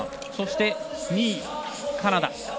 そして、２位、カナダ。